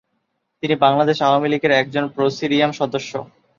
তিনি বাংলাদেশ আওয়ামী লীগের একজন প্রেসিডিয়াম সদস্য।